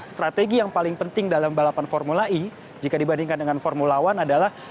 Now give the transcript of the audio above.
strategi yang paling penting dalam balapan formula e jika dibandingkan dengan formula one adalah